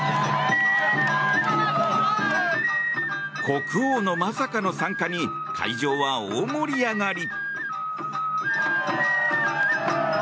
国王のまさかの参加に会場は大盛り上がり。